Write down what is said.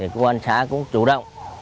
công an xã cũng chủ động